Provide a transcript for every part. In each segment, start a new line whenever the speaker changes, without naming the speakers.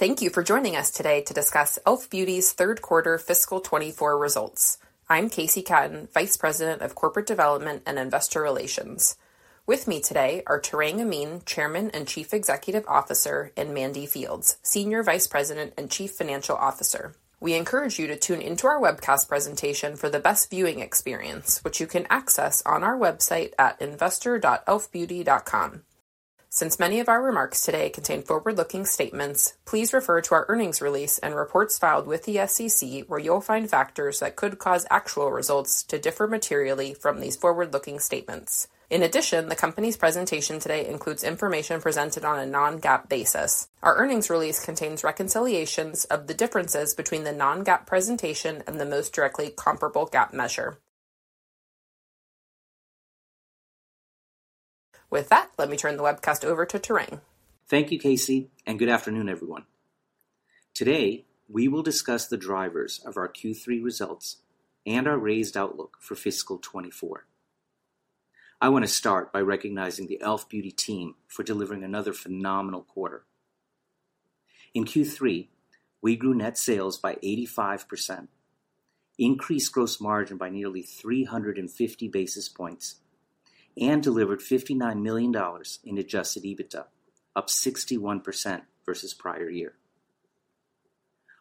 Thank you for joining us today to discuss e.l.f. Beauty's third quarter fiscal 2024 results. I'm Kacey Catton, Vice President of Corporate Development and Investor Relations. With me today are Tarang Amin, Chairman and Chief Executive Officer, and Mandy Fields, Senior Vice President and Chief Financial Officer. We encourage you to tune into our webcast presentation for the best viewing experience, which you can access on our website at investor.elfbeauty.com. Since many of our remarks today contain forward-looking statements, please refer to our earnings release and reports filed with the SEC, where you'll find factors that could cause actual results to differ materially from these forward-looking statements. In addition, the company's presentation today includes information presented on a non-GAAP basis. Our earnings release contains reconciliations of the differences between the non-GAAP presentation and the most directly comparable GAAP measure. With that, let me turn the webcast over to Tarang.
Thank you, Kacey, and good afternoon, everyone. Today, we will discuss the drivers of our Q3 results and our raised outlook for fiscal 2024. I want to start by recognizing the e.l.f. Beauty team for delivering another phenomenal quarter. In Q3, we grew net sales by 85%, increased gross margin by nearly 350 basis points, and delivered $59 million in adjusted EBITDA, up 61% versus prior year.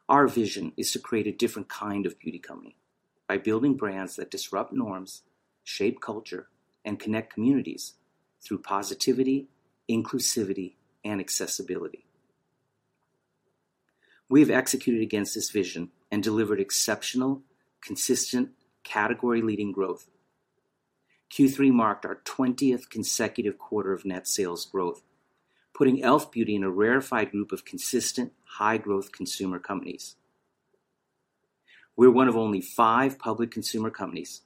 Our vision is to create a different kind of beauty company by building brands that disrupt norms, shape culture, and connect communities through positivity, inclusivity, and accessibility. We've executed against this vision and delivered exceptional, consistent, category-leading growth. Q3 marked our 20th consecutive quarter of net sales growth, putting e.l.f. Beauty in a rarefied group of consistent, high-growth consumer companies. We're one of only five public consumer companies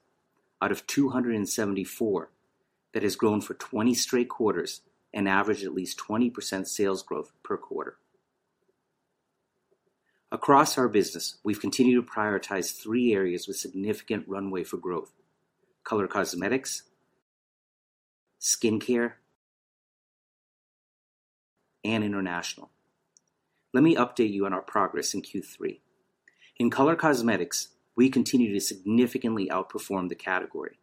out of 274 that has grown for 20 straight quarters and averaged at least 20% sales growth per quarter. Across our business, we've continued to prioritize three areas with significant runway for growth: color cosmetics, skincare, and international. Let me update you on our progress in Q3. In color cosmetics, we continue to significantly outperform the category.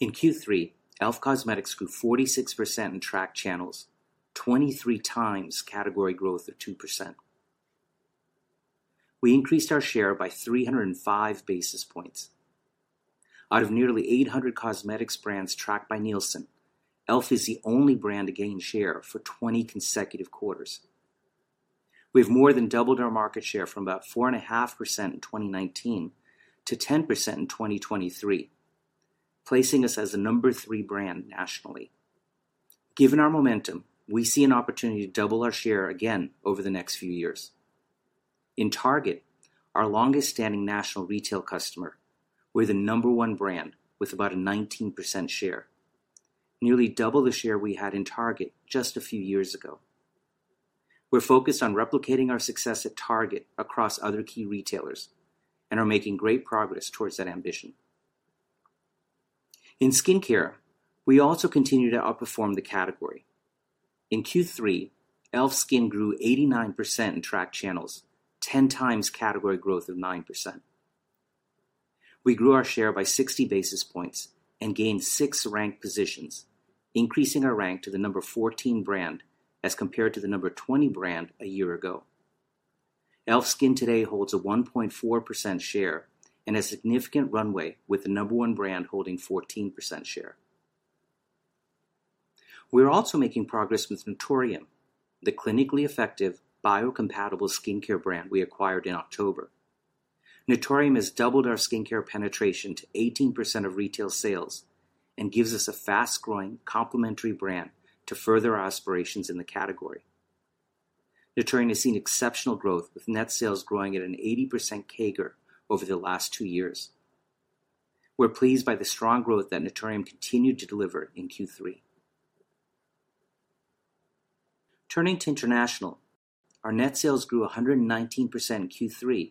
In Q3, e.l.f. Cosmetics grew 46% in tracked channels, 23 times category growth of 2%. We increased our share by 305 basis points. Out of nearly 800 cosmetics brands tracked by Nielsen, e.l.f. is the only brand to gain share for 20 consecutive quarters. We've more than doubled our market share from about 4.5% in 2019 to 10% in 2023, placing us as the number three brand nationally. Given our momentum, we see an opportunity to double our share again over the next few years. In Target, our longest-standing national retail customer, we're the number one brand with about a 19% share, nearly double the share we had in Target just a few years ago. We're focused on replicating our success at Target across other key retailers and are making great progress towards that ambition. In skincare, we also continue to outperform the category. In Q3, e.l.f. SKIN grew 89% in tracked channels, 10 times category growth of 9%. We grew our share by 60 basis points and gained six rank positions, increasing our rank to the number 14 brand as compared to the number 20 brand a year ago. e.l.f. SKIN today holds a 1.4% share and a significant runway, with the number one brand holding 14% share. We are also making progress with Naturium, the clinically effective, biocompatible skincare brand we acquired in October. Naturium has doubled our skincare penetration to 18% of retail sales and gives us a fast-growing, complementary brand to further our aspirations in the category. Naturium has seen exceptional growth, with net sales growing at an 80% CAGR over the last two years. We're pleased by the strong growth that Naturium continued to deliver in Q3. Turning to international, our net sales grew 119% in Q3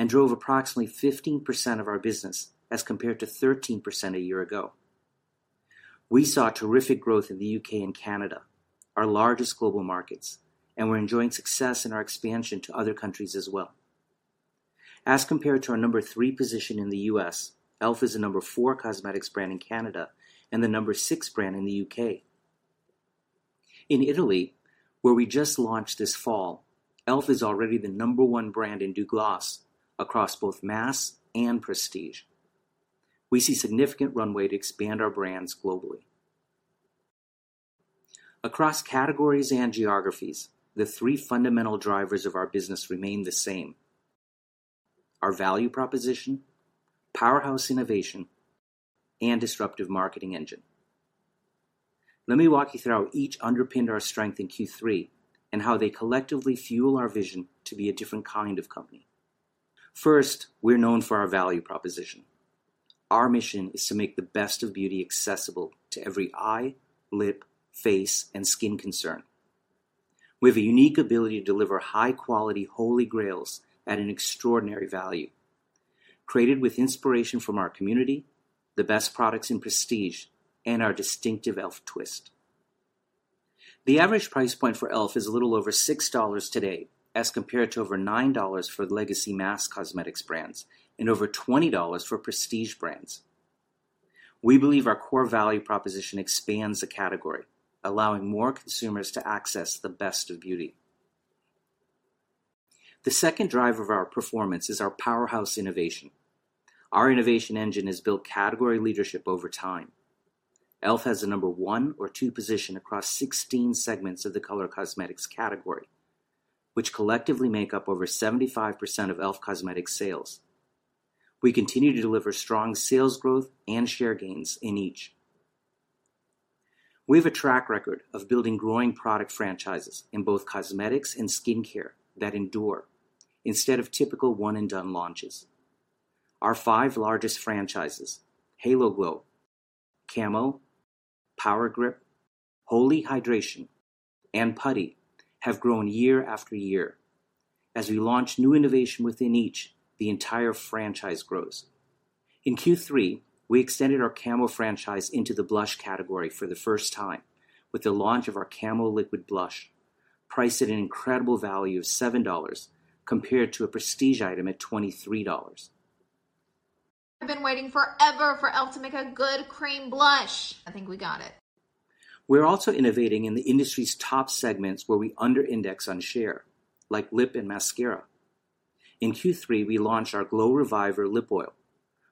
and drove approximately 15% of our business as compared to 13% a year ago. We saw terrific growth in the U.K. and Canada, our largest global markets, and we're enjoying success in our expansion to other countries as well. As compared to our number three position in the U.S., e.l.f. is the number four cosmetics brand in Canada and the number six brand in the U.K. In Italy, where we just launched this fall, e.l.f. is already the number one brand in Douglas across both mass and prestige. We see significant runway to expand our brands globally. Across categories and geographies, the three fundamental drivers of our business remain the same: our value proposition, powerhouse innovation, and disruptive marketing engine. Let me walk you through how each underpinned our strength in Q3 and how they collectively fuel our vision to be a different kind of company. First, we're known for our value proposition. Our mission is to make the best of beauty accessible to every eye, lip, face, and skin concern. We have a unique ability to deliver high-quality holy grails at an extraordinary value.... created with inspiration from our community, the best products in prestige, and our distinctive e.l.f. twist. The average price point for e.l.f. is a little over $6 today, as compared to over $9 for the legacy mass cosmetics brands and over $20 for prestige brands. We believe our core value proposition expands the category, allowing more consumers to access the best of beauty. The second driver of our performance is our powerhouse innovation. Our innovation engine has built category leadership over time. e.l.f. has a number one or two position across 16 segments of the color cosmetics category, which collectively make up over 75% of e.l.f. Cosmetics sales. We continue to deliver strong sales growth and share gains in each. We have a track record of building growing product franchises in both cosmetics and skincare that endure, instead of typical one-and-done launches. Our five largest franchises, Halo Glow, Camo, Power Grip, Holy Hydration!, and Putty, have grown year after year. As we launch new innovation within each, the entire franchise grows. In Q3, we extended our Camo franchise into the blush category for the first time with the launch of our Camo Liquid Blush, priced at an incredible value of $7, compared to a prestige item at $23.
I've been waiting forever for e.l.f. to make a good cream blush! I think we got it.
We're also innovating in the industry's top segments where we under-index on share, like lip and mascara. In Q3, we launched our Glow Reviver Lip Oil,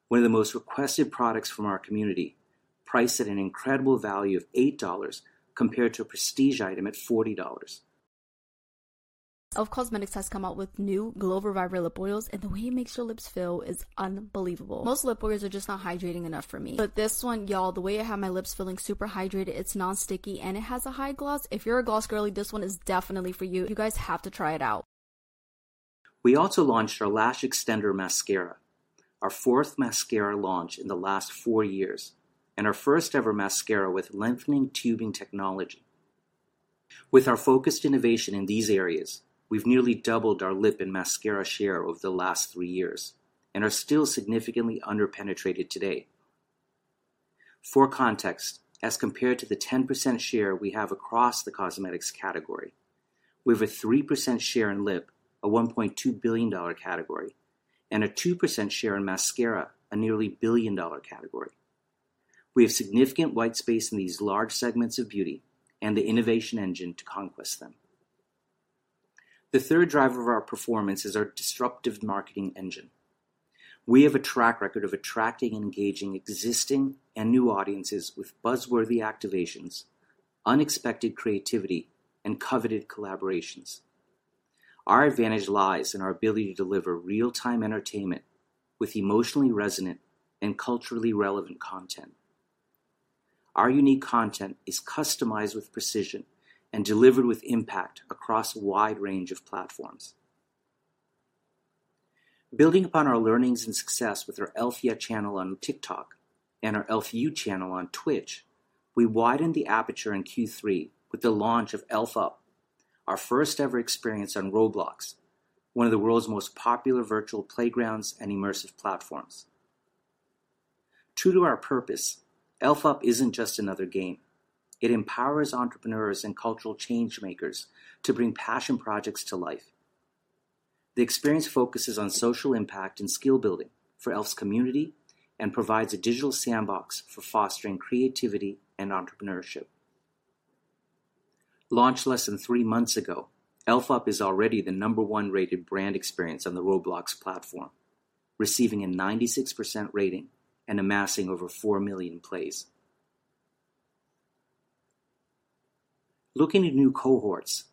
one of the most requested products from our community, priced at an incredible value of $8, compared to a prestige item at $40.
e.l.f. Cosmetics has come out with new Glow Reviver Lip Oils, and the way it makes your lips feel is unbelievable. Most lip oils are just not hydrating enough for me, but this one, y'all, the way I have my lips feeling super hydrated, it's non-sticky, and it has a high gloss. If you're a gloss girly, this one is definitely for you. You guys have to try it out.
We also launched our Lash XTNDR Mascara, our fourth mascara launch in the last four years and our first ever mascara with lengthening tubing technology. With our focused innovation in these areas, we've nearly doubled our lip and mascara share over the last three years and are still significantly under-penetrated today. For context, as compared to the 10% share we have across the cosmetics category, we have a 3% share in lip, a $1.2 billion category, and a 2% share in mascara, a nearly $1 billion-dollar category. We have significant white space in these large segments of beauty and the innovation engine to conquest them. The third driver of our performance is our disruptive marketing engine. We have a track record of attracting and engaging existing and new audiences with buzzworthy activations, unexpected creativity, and coveted collaborations. Our advantage lies in our ability to deliver real-time entertainment with emotionally resonant and culturally relevant content. Our unique content is customized with precision and delivered with impact across a wide range of platforms. Building upon our learnings and success with our e.l.f. YEAH channel on TikTok and our e.l.f. YOU! channel on Twitch, we widened the aperture in Q3 with the launch of e.l.f. UP!, our first ever experience on Roblox, one of the world's most popular virtual playgrounds and immersive platforms. True to our purpose, e.l.f. UP! isn't just another game. It empowers entrepreneurs and cultural change makers to bring passion projects to life. The experience focuses on social impact and skill building for e.l.f.'s community and provides a digital sandbox for fostering creativity and entrepreneurship. Launched less than three months ago, e.l.f. UP! is already the number one rated brand experience on the Roblox platform, receiving a 96% rating and amassing over 4 million plays. Looking at new cohorts,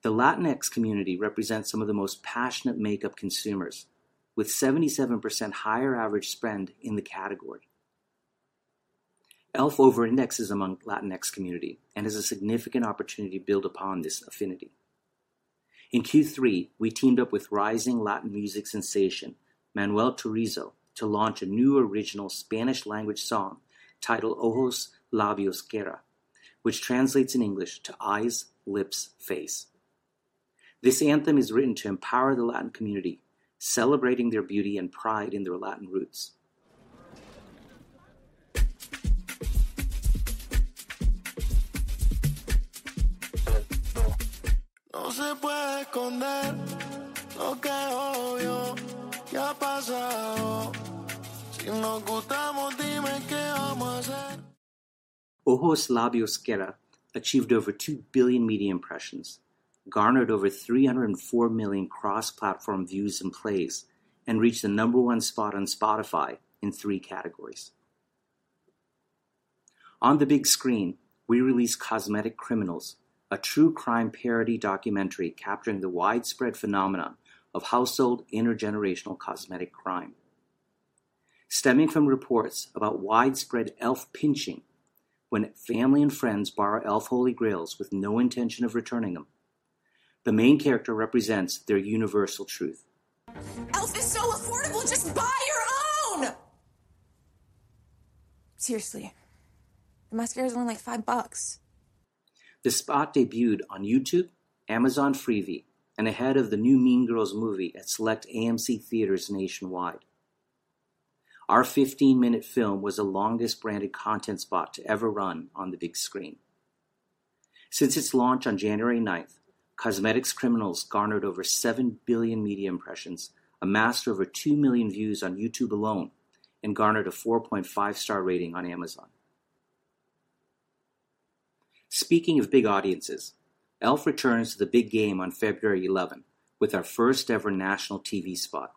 the Latinx community represents some of the most passionate makeup consumers, with 77% higher average spend in the category. e.l.f. over-indexes among Latinx community and has a significant opportunity to build upon this affinity. In Q3, we teamed up with rising Latin music sensation Manuel Turizo to launch a new original Spanish language song titled "Ojos, Labios, Cara," which translates in English to eyes, lips, face. This anthem is written to empower the Latin community, celebrating their beauty and pride in their Latin roots. "Ojos, Labios, Cara" achieved over 2 billion media impressions, garnered over 304 million cross-platform views and plays, and reached the number one spot on Spotify in three categories. On the big screen, we released Cosmetic Criminals, a true crime parody documentary capturing the widespread phenomenon of household intergenerational cosmetic crime. Stemming from reports about widespread e.l.f. pinching, when family and friends borrow e.l.f. Holy Grails with no intention of returning them, the main character represents their universal truth.
e.l.f. is so affordable, just buy your own!... Seriously, the mascara is only like $5.
The spot debuted on YouTube, Amazon Freevee, and ahead of the new Mean Girls movie at select AMC Theatres nationwide. Our 15-minute film was the longest branded content spot to ever run on the big screen. Since its launch on January ninth, Cosmetic Criminals garnered over 7 billion media impressions, amassed over 2 million views on YouTube alone, and garnered a 4.5 star rating on Amazon. Speaking of big audiences, e.l.f. returns to the big game on February eleven with our first-ever national TV spot.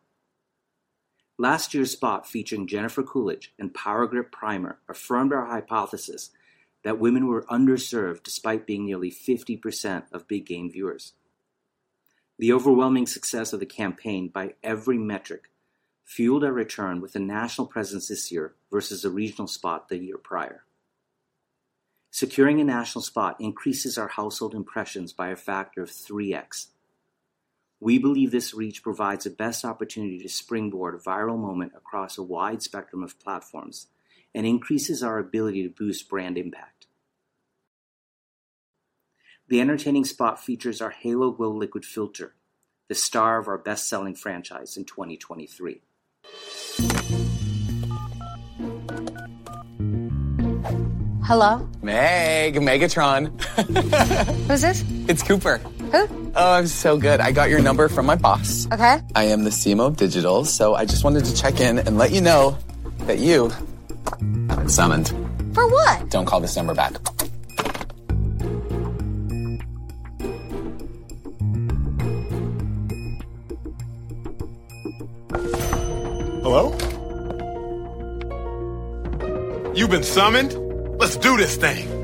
Last year's spot, featuring Jennifer Coolidge and Power Grip Primer, affirmed our hypothesis that women were underserved despite being nearly 50% of big game viewers. The overwhelming success of the campaign by every metric fueled our return with a national presence this year versus a regional spot the year prior. Securing a national spot increases our household impressions by a factor of 3x. We believe this reach provides the best opportunity to springboard a viral moment across a wide spectrum of platforms and increases our ability to boost brand impact. The entertaining spot features our Halo Glow Liquid Filter, the star of our best-selling franchise in 2023.
Hello?
Meg, Megatron.
Who's this?
It's Kooper.
Who?
Oh, I'm so good. I got your number from my boss.
Okay.
I am the CMO of Digital, so I just wanted to check in and let you know that you have been summoned.
For what?
Don't call this number back.
Hello? You've been summoned. Let's do this thing.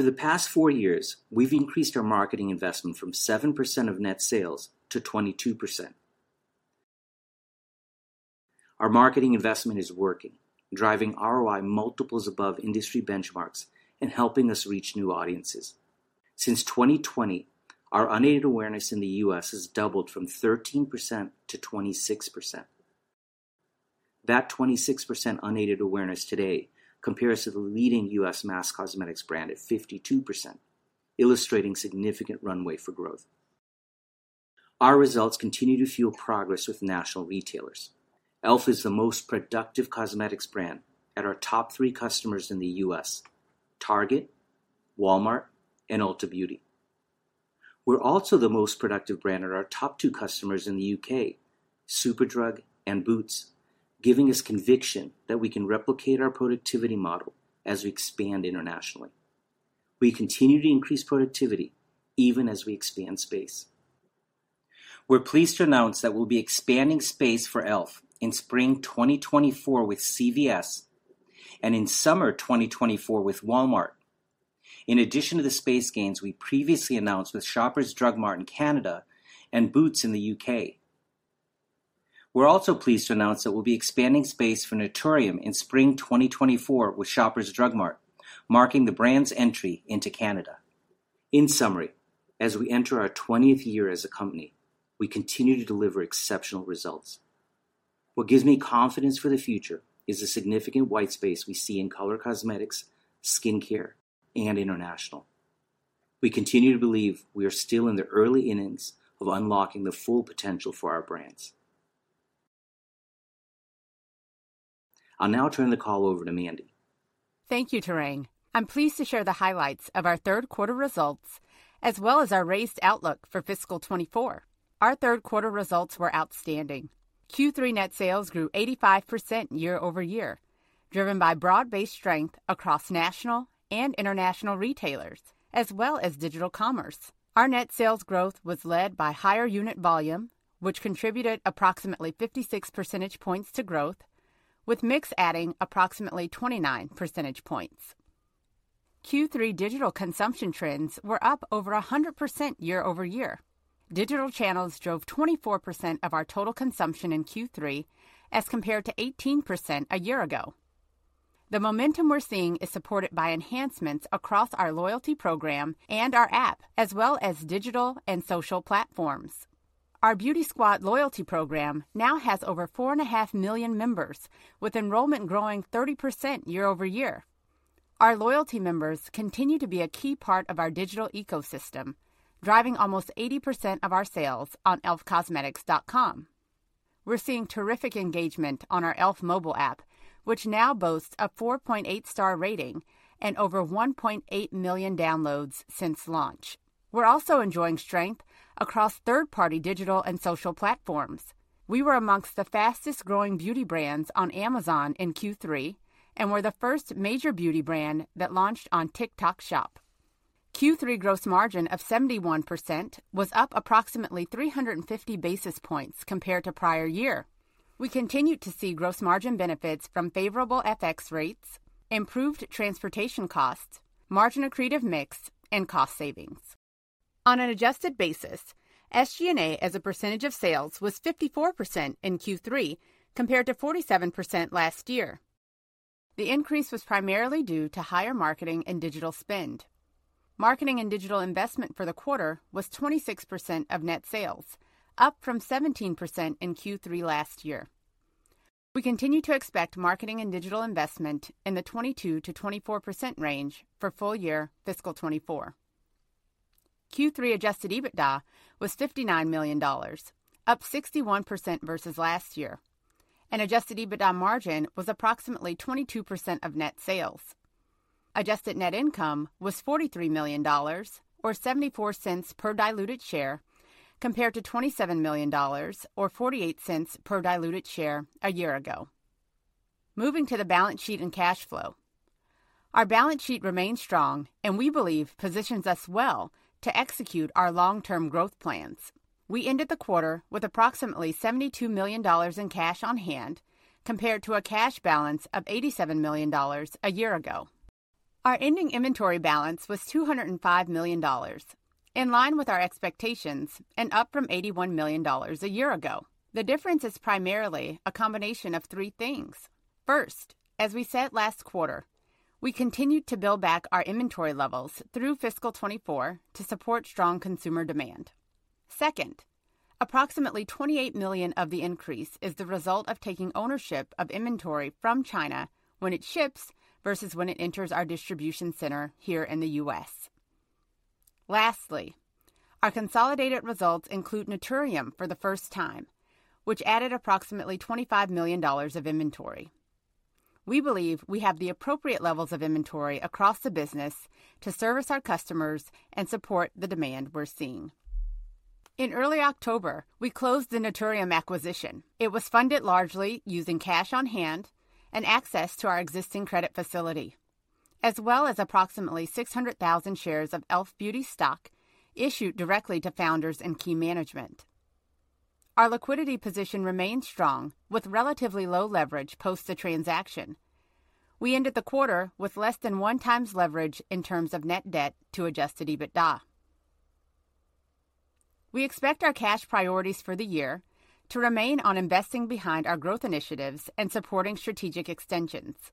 Oh, my God! You don't stink.
Summoned? Girl, get back here. I don't do dry beauty. Get... I got too much stuff to do. Oh!
Oh, I've been summoned. Obviously.
Over the past four years, we've increased our marketing investment from 7% of net sales to 22%. Our marketing investment is working, driving ROI multiples above industry benchmarks and helping us reach new audiences. Since 2020, our unaided awareness in the U.S. has doubled from 13% to 26%. That 26% unaided awareness today compares to the leading U.S. mass cosmetics brand at 52%, illustrating significant runway for growth. Our results continue to fuel progress with national retailers. e.l.f. is the most productive cosmetics brand at our top three customers in the U.S.: Target, Walmart, and Ulta Beauty. We're also the most productive brand at our top two customers in the U.K., Superdrug and Boots, giving us conviction that we can replicate our productivity model as we expand internationally. We continue to increase productivity even as we expand space. We're pleased to announce that we'll be expanding space for e.l.f. in spring 2024 with CVS and in summer 2024 with Walmart. In addition to the space gains we previously announced with Shoppers Drug Mart in Canada and Boots in the U.K. We're also pleased to announce that we'll be expanding space for Naturium in spring 2024 with Shoppers Drug Mart, marking the brand's entry into Canada. In summary, as we enter our 20th year as a company, we continue to deliver exceptional results. What gives me confidence for the future is the significant white space we see in color cosmetics, skincare, and international. We continue to believe we are still in the early innings of unlocking the full potential for our brands. I'll now turn the call over to Mandy.
Thank you, Tarang. I'm pleased to share the highlights of our third quarter results, as well as our raised outlook for fiscal 2024. Our third quarter results were outstanding. Q3 net sales grew 85% year-over-year, driven by broad-based strength across national and international retailers, as well as digital commerce. Our net sales growth was led by higher unit volume, which contributed approximately 56 percentage points to growth, with mix adding approximately 29 percentage points. Q3 digital consumption trends were up over 100% year-over-year. Digital channels drove 24% of our total consumption in Q3, as compared to 18% a year ago. The momentum we're seeing is supported by enhancements across our loyalty program and our app, as well as digital and social platforms. Our Beauty Squad loyalty program now has over 4.5 million members, with enrollment growing 30% year-over-year. Our loyalty members continue to be a key part of our digital ecosystem, driving almost 80% of our sales on e.l.f.cosmetics.com. We're seeing terrific engagement on our e.l.f. mobile app, which now boasts a 4.8 star rating and over 1.8 million downloads since launch. We're also enjoying strength across third-party digital and social platforms. We were amongst the fastest-growing beauty brands on Amazon in Q3 and were the first major beauty brand that launched on TikTok Shop. Q3 gross margin of 71% was up approximately 350 basis points compared to prior year. We continued to see gross margin benefits from favorable FX rates, improved transportation costs, margin accretive mix, and cost savings. On an adjusted basis, SG&A as a percentage of sales was 54% in Q3, compared to 47% last year. The increase was primarily due to higher marketing and digital spend. Marketing and digital investment for the quarter was 26% of net sales, up from 17% in Q3 last year. We continue to expect marketing and digital investment in the 22%-24% range for full year fiscal 2024. Q3 adjusted EBITDA was $59 million, up 61% versus last year, and adjusted EBITDA margin was approximately 22% of net sales. Adjusted net income was $43 million or $0.74 per diluted share, compared to $27 million or $0.48 per diluted share a year ago. Moving to the balance sheet and cash flow. Our balance sheet remains strong and we believe positions us well to execute our long-term growth plans. We ended the quarter with approximately $72 million in cash on hand, compared to a cash balance of $87 million a year ago. Our ending inventory balance was $205 million, in line with our expectations and up from $81 million a year ago. The difference is primarily a combination of three things. First, as we said last quarter, we continued to build back our inventory levels through fiscal 2024 to support strong consumer demand. Second, approximately $28 million of the increase is the result of taking ownership of inventory from China when it ships versus when it enters our distribution center here in the U.S. Lastly, our consolidated results include Naturium for the first time, which added approximately $25 million of inventory. We believe we have the appropriate levels of inventory across the business to service our customers and support the demand we're seeing. In early October, we closed the Naturium acquisition. It was funded largely using cash on hand and access to our existing credit facility, as well as approximately 600,000 shares of e.l.f. Beauty stock issued directly to founders and key management. Our liquidity position remains strong, with relatively low leverage post the transaction. We ended the quarter with less than 1x leverage in terms of net debt to Adjusted EBITDA. We expect our cash priorities for the year to remain on investing behind our growth initiatives and supporting strategic extensions.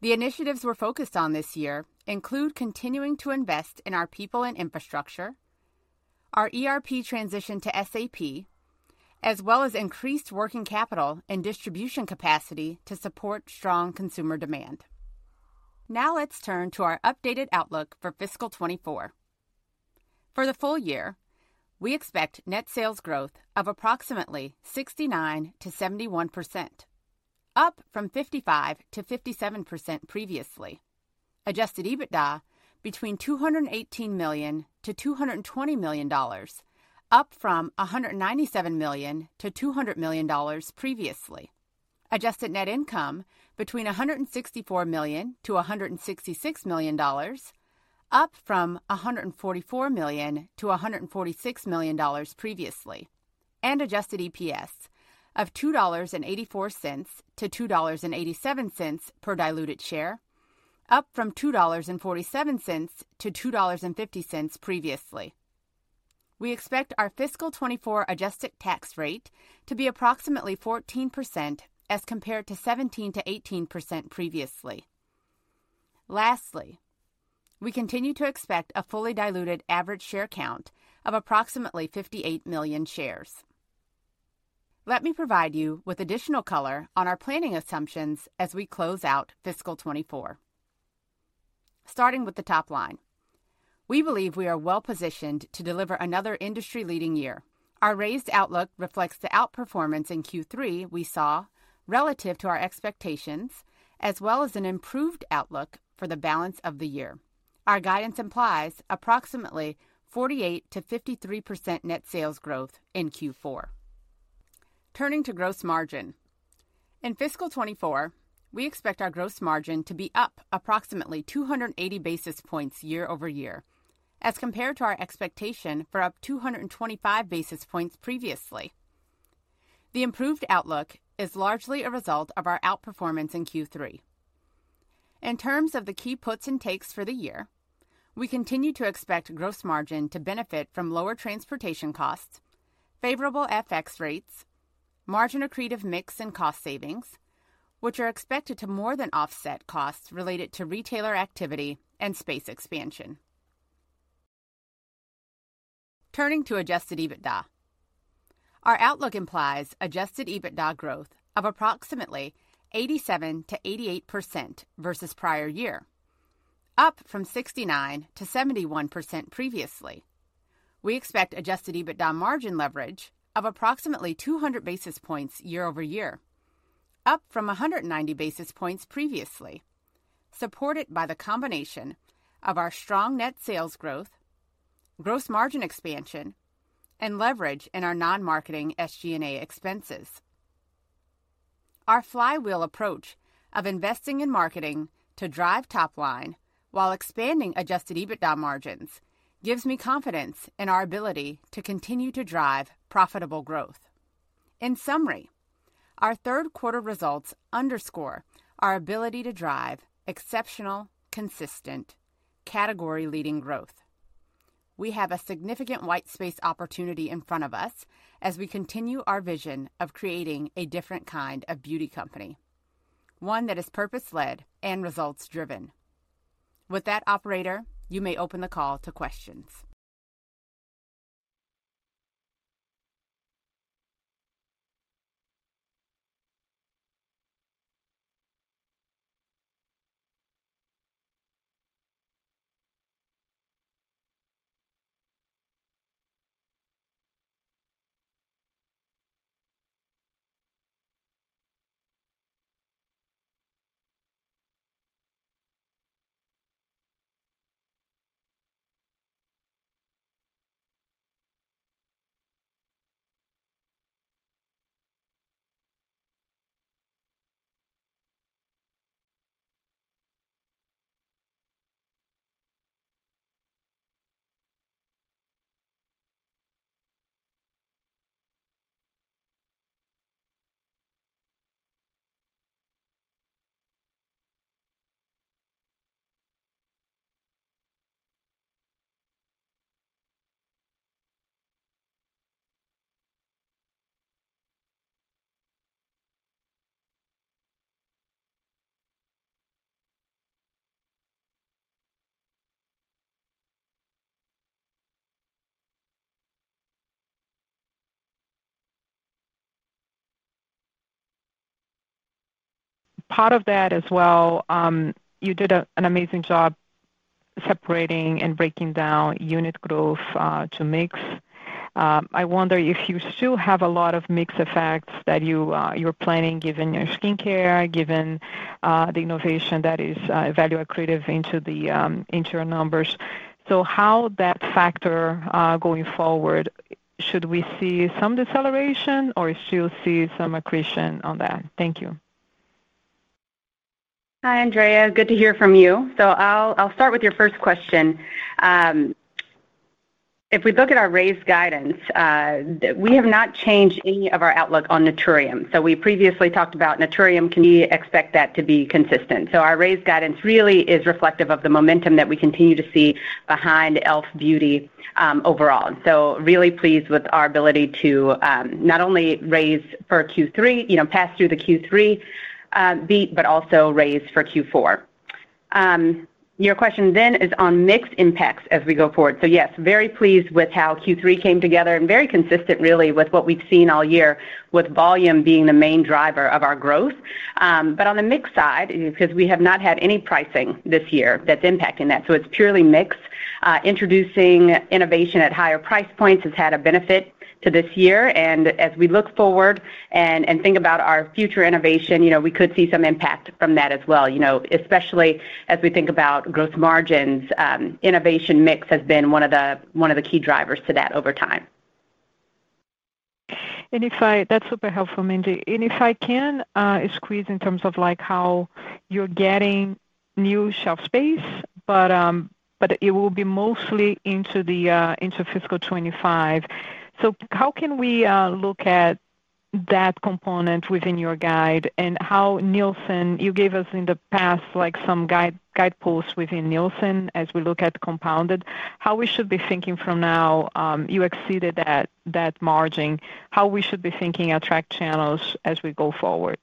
The initiatives we're focused on this year include continuing to invest in our people and infrastructure, our ERP transition to SAP, as well as increased working capital and distribution capacity to support strong consumer demand. Now let's turn to our updated outlook for fiscal 2024. For the full year, we expect net sales growth of approximately 69%-71%, up from 55%-57% previously. Adjusted EBITDA between $218 million-$220 million, up from $197 million-$200 million previously. Adjusted net income between $164 million-$166 million, up from $144 million-$146 million previously, and adjusted EPS of $2.84-$2.87 per diluted share, up from $2.47-$2.50 previously. We expect our fiscal 2024 adjusted tax rate to be approximately 14% as compared to 17%-18% previously. Lastly, we continue to expect a fully diluted average share count of approximately 58 million shares. Let me provide you with additional color on our planning assumptions as we close out fiscal 2024. Starting with the top line, we believe we are well positioned to deliver another industry-leading year. Our raised outlook reflects the outperformance in Q3 we saw relative to our expectations, as well as an improved outlook for the balance of the year. Our guidance implies approximately 48%-53% net sales growth in Q4. Turning to gross margin, in fiscal 2024, we expect our gross margin to be up approximately 280 basis points year-over-year, as compared to our expectation for up 225 basis points previously. The improved outlook is largely a result of our outperformance in Q3. In terms of the key puts and takes for the year, we continue to expect gross margin to benefit from lower transportation costs, favorable FX rates, margin accretive mix, and cost savings, which are expected to more than offset costs related to retailer activity and space expansion. Turning to Adjusted EBITDA. Our outlook implies Adjusted EBITDA growth of approximately 87%-88% versus prior year, up from 69%-71% previously. We expect Adjusted EBITDA margin leverage of approximately 200 basis points year-over-year, up from 190 basis points previously, supported by the combination of our strong net sales growth, gross margin expansion, and leverage in our non-marketing SG&A expenses. Our flywheel approach of investing in marketing to drive top line while expanding Adjusted EBITDA margins gives me confidence in our ability to continue to drive profitable growth. In summary, our third quarter results underscore our ability to drive exceptional, consistent, category-leading growth. We have a significant white space opportunity in front of us as we continue our vision of creating a different kind of beauty company, one that is purpose-led and results-driven. With that, operator, you may open the call to questions.
Part of that as well, you did an amazing job separating and breaking down unit growth to mix. I wonder if you still have a lot of mix effects that you're planning, given your skincare, given the innovation that is value accretive into your numbers. So how that factor going forward, should we see some deceleration or still see some accretion on that? Thank you.
Hi, Andrea. Good to hear from you. So I'll start with your first question. If we look at our raised guidance, we have not changed any of our outlook on Naturium. So we previously talked about Naturium, can you expect that to be consistent? So our raised guidance really is reflective of the momentum that we continue to see behind e.l.f. Beauty, overall. So really pleased with our ability to not only raise for Q3, you know, pass through the Q3 beat, but also raise for Q4. Your question then is on mix impacts as we go forward. So yes, very pleased with how Q3 came together and very consistent, really, with what we've seen all year, with volume being the main driver of our growth. But on the mix side, because we have not had any pricing this year, that's impacting that. So it's purely mix. Introducing innovation at higher price points has had a benefit to this year, and as we look forward and think about our future innovation, you know, we could see some impact from that as well. You know, especially as we think about growth margins, innovation mix has been one of the key drivers to that over time.
That's super helpful, Mandy. If I can squeeze in terms of, like, how you're getting new shelf space, but it will be mostly into fiscal 2025. So how can we look at that component within your guide and how Nielsen... You gave us in the past, like, some guide, guideposts within Nielsen as we look at compounded, how we should be thinking from now, you exceeded that margin, how we should be thinking our tracked channels as we go forward?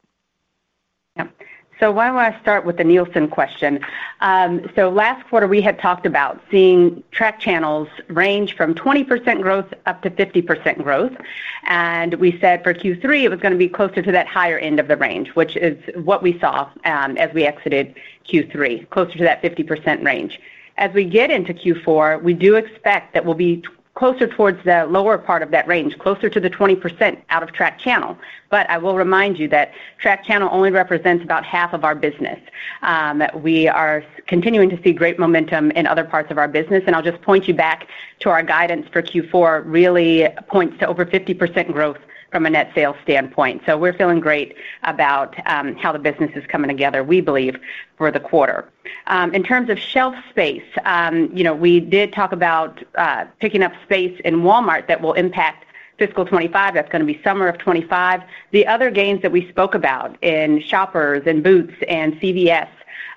Yep. So why don't I start with the Nielsen question? So last quarter, we had talked about seeing tracked channels range from 20% growth up to 50% growth, and we said for Q3, it was gonna be closer to that higher end of the range, which is what we saw, as we exited Q3, closer to that 50% range. As we get into Q4, we do expect that we'll be closer towards the lower part of that range, closer to the 20% out-of-tracked channel. But I will remind you that tracked channel only represents about half of our business. We are continuing to see great momentum in other parts of our business, and I'll just point you back to our guidance for Q4, really points to over 50% growth from a net sales standpoint. So we're feeling great about how the business is coming together, we believe, for the quarter. In terms of shelf space, you know, we did talk about picking up space in Walmart that will impact fiscal 2025. That's gonna be summer of 2025. The other gains that we spoke about in Shoppers and Boots and CVS,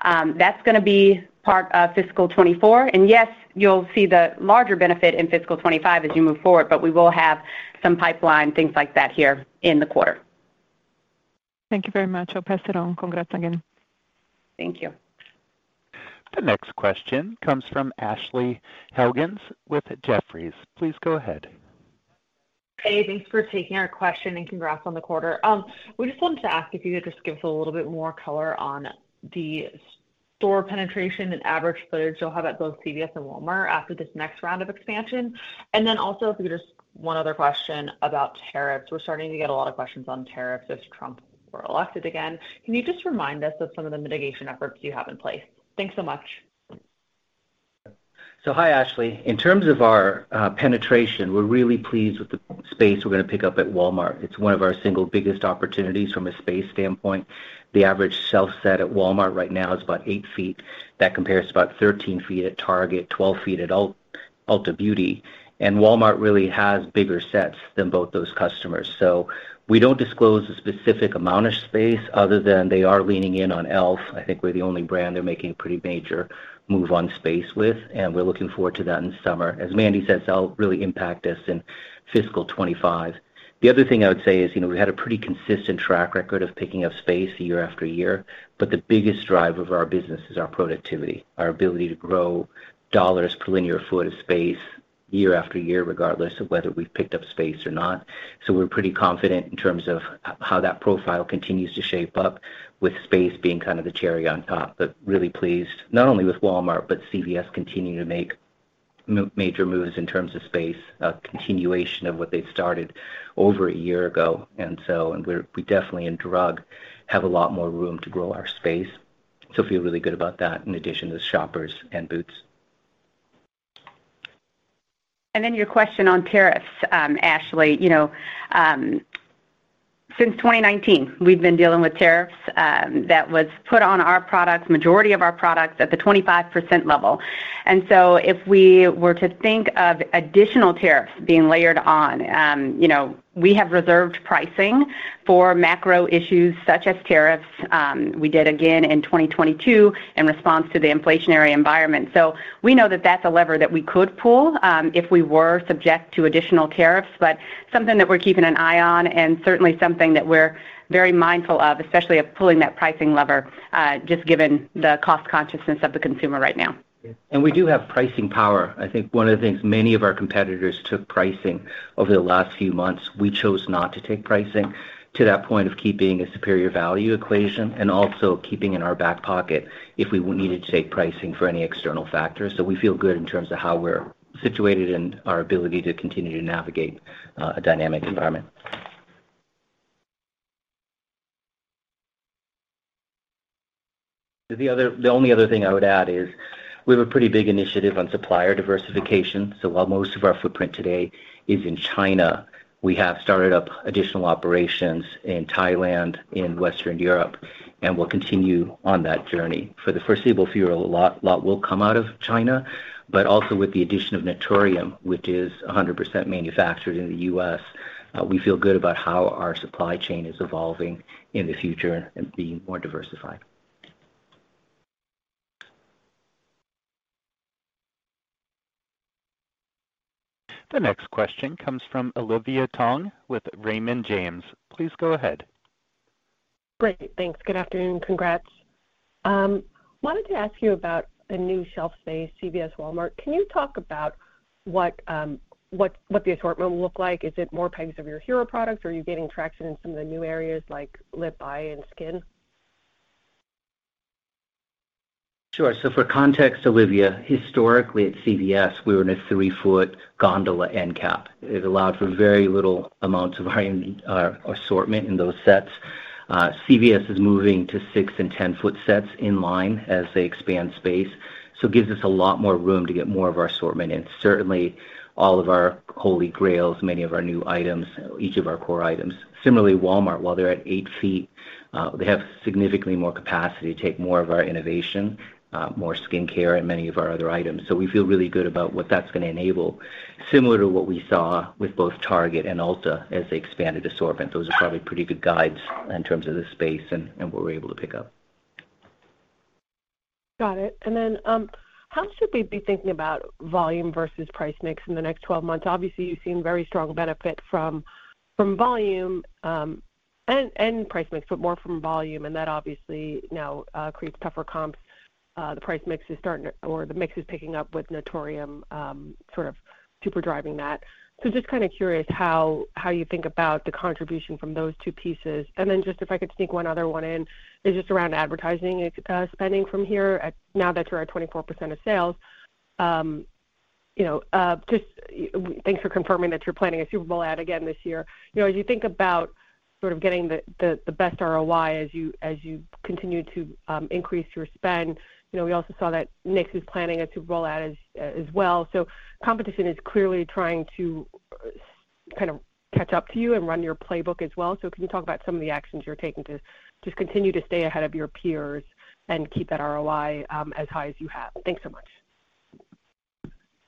that's gonna be part of fiscal 2024. And yes, you'll see the larger benefit in fiscal 2025 as you move forward, but we will have some pipeline, things like that, here in the quarter....
Thank you very much. I'll pass it on. Congrats again.
Thank you.
The next question comes from Ashley Helgans with Jefferies. Please go ahead.
Hey, thanks for taking our question, and congrats on the quarter. We just wanted to ask if you could just give us a little bit more color on the store penetration and average footage you'll have at both CVS and Walmart after this next round of expansion. And then also, if we could, just one other question about tariffs. We're starting to get a lot of questions on tariffs if Trump were elected again. Can you just remind us of some of the mitigation efforts you have in place? Thanks so much.
So hi, Ashley. In terms of our penetration, we're really pleased with the space we're going to pick up at Walmart. It's one of our single biggest opportunities from a space standpoint. The average shelf set at Walmart right now is about 8 ft. That compares to about 13 ft at Target, 12 ft at Ulta Beauty, and Walmart really has bigger sets than both those customers. We don't disclose a specific amount of space other than they are leaning in on e.l.f. I think we're the only brand they're making a pretty major move on space with, and we're looking forward to that in summer. As Mandy says, that'll really impact us in fiscal 2025. The other thing I would say is, you know, we had a pretty consistent track record of picking up space year after year, but the biggest driver of our business is our productivity, our ability to grow dollars per linear foot of space year after year, regardless of whether we've picked up space or not. So we're pretty confident in terms of how that profile continues to shape up, with space being kind of the cherry on top. But really pleased, not only with Walmart, but CVS continuing to make major moves in terms of space, a continuation of what they've started over a year ago. And we're definitely in drug have a lot more room to grow our space. So feel really good about that in addition to Shoppers and Boots.
And then your question on tariffs, Ashley. You know, since 2019, we've been dealing with tariffs that was put on our products, majority of our products, at the 25% level. And so if we were to think of additional tariffs being layered on, you know, we have reserved pricing for macro issues such as tariffs, we did again in 2022 in response to the inflationary environment. So we know that that's a lever that we could pull, if we were subject to additional tariffs, but something that we're keeping an eye on and certainly something that we're very mindful of, especially of pulling that pricing lever, just given the cost consciousness of the consumer right now.
We do have pricing power. I think one of the things many of our competitors took pricing over the last few months. We chose not to take pricing to that point of keeping a superior value equation and also keeping in our back pocket if we needed to take pricing for any external factors. So we feel good in terms of how we're situated and our ability to continue to navigate a dynamic environment. The only other thing I would add is we have a pretty big initiative on supplier diversification. So while most of our footprint today is in China, we have started up additional operations in Thailand, in Western Europe, and we'll continue on that journey. For the foreseeable future, a lot, lot will come out of China, but also with the addition of Naturium, which is 100% manufactured in the U.S., we feel good about how our supply chain is evolving in the future and being more diversified.
The next question comes from Olivia Tong with Raymond James. Please go ahead.
Great, thanks. Good afternoon. Congrats. Wanted to ask you about the new shelf space, CVS, Walmart. Can you talk about what the assortment will look like? Is it more pegs of your hero products, or are you getting traction in some of the new areas like lip, eye, and skin?
Sure. So for context, Olivia, historically at CVS, we were in a 3 ft gondola end cap. It allowed for very little amounts of our assortment in those sets. CVS is moving to 6 ft-10 ft sets in line as they expand space, so it gives us a lot more room to get more of our assortment in. Certainly, all of our holy grails, many of our new items, each of our core items. Similarly, Walmart, while they're at 8 ft, they have significantly more capacity to take more of our innovation, more skincare and many of our other items. So we feel really good about what that's going to enable, similar to what we saw with both Target and Ulta as they expanded assortment. Those are probably pretty good guides in terms of the space and what we're able to pick up.
Got it. And then, how should we be thinking about volume versus price mix in the next twelve months? Obviously, you've seen very strong benefit from volume and price mix, but more from volume, and that obviously now creates tougher comps. The price mix is starting to or the mix is picking up with Naturium, sort of super driving that. So just kind of curious how you think about the contribution from those two pieces. And then just if I could sneak one other one in, is just around advertising spending from here, now that you're at 24% of sales. You know, just thanks for confirming that you're planning a Super Bowl ad again this year. You know, as you think about sort of getting the best ROI as you continue to increase your spend, you know, we also saw that NYX is planning a Super Bowl ad as well. So competition is clearly trying to kind of catch up to you and run your playbook as well. So can you talk about some of the actions you're taking to just continue to stay ahead of your peers and keep that ROI as high as you have? Thanks so much.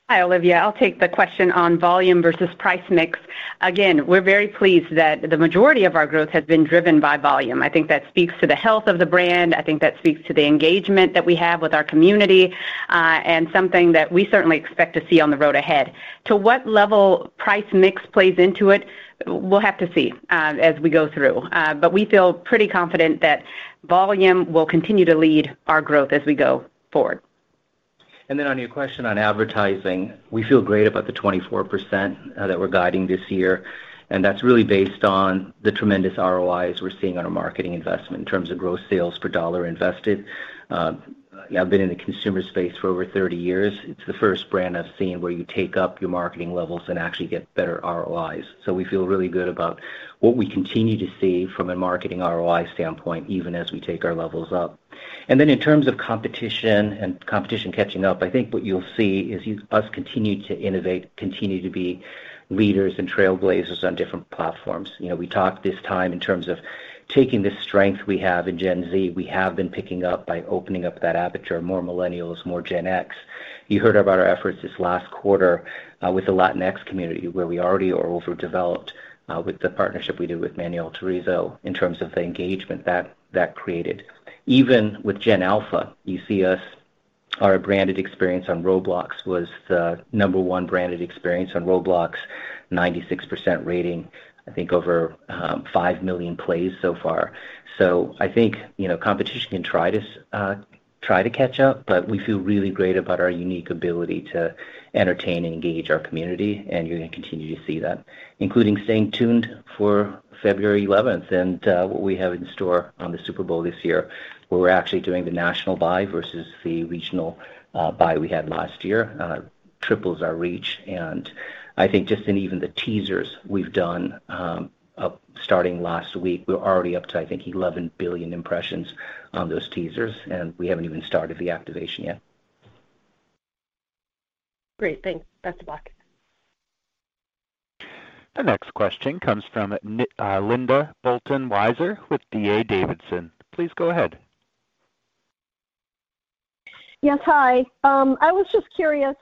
Hi, Olivia. I'll take the question on volume versus price mix. Again, we're very pleased that the majority of our growth has been driven by volume. I think that speaks to the health of the brand. I think that speaks to the engagement that we have with our community, and something that we certainly expect to see on the road ahead. To what level price mix plays into it, we'll have to see, as we go through. But we feel pretty confident that volume will continue to lead our growth as we go forward.
...And then on your question on advertising, we feel great about the 24%, that we're guiding this year, and that's really based on the tremendous ROIs we're seeing on our marketing investment in terms of gross sales per dollar invested. I've been in the consumer space for over 30 years. It's the first brand I've seen where you take up your marketing levels and actually get better ROIs. So we feel really good about what we continue to see from a marketing ROI standpoint, even as we take our levels up. And then in terms of competition and competition catching up, I think what you'll see is us continue to innovate, continue to be leaders and trailblazers on different platforms. You know, we talked this time in terms of taking the strength we have in Gen Z. We have been picking up by opening up that aperture, more millennials, more Gen X. You heard about our efforts this last quarter with the Latinx community, where we already are overdeveloped with the partnership we do with Manuel Turizo, in terms of the engagement that, that created. Even with Gen Alpha, you see us, our branded experience on Roblox was the number one branded experience on Roblox, 96% rating, I think over 5 million plays so far. So I think, you know, competition can try to catch up, but we feel really great about our unique ability to entertain and engage our community, and you're going to continue to see that, including staying tuned for February eleventh and what we have in store on the Super Bowl this year, where we're actually doing the national buy versus the regional buy we had last year. Triples our reach, and I think just in even the teasers we've done starting last week, we're already up to, I think, 11 billion impressions on those teasers, and we haven't even started the activation yet.
Great, thanks. That's a block. The next question comes from Linda Bolton Weiser with D.A. Davidson. Please go ahead.
Yes, hi. I was just curious,